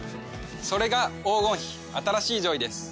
それが黄金比新しいジョイです。